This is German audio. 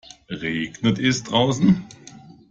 Regnet es draußen?